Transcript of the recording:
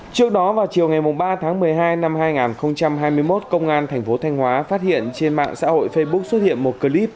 trước đó vào chiều ngày ba tháng một mươi hai năm hai nghìn hai mươi một công an thành phố thanh hóa phát hiện trên mạng xã hội facebook xuất hiện một clip